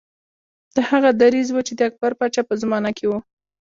دا هغه دریځ و چې د اکبر پاچا په زمانه کې و.